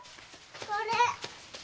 これ。